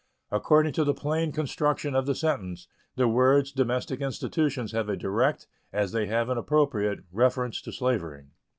According to the plain construction of the sentence, the words "domestic institutions" have a direct, as they have an appropriate, reference to slavery.